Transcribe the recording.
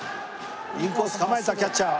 インコース構えたキャッチャー。